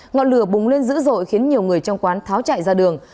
ngọn lửa bùng lên dữ dội khiến nhiều người trong quán tháo chạy ra đường